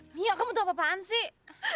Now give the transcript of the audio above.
mia kamu tuh apa apaan sih